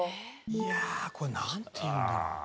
いやあこれなんていうんだろう？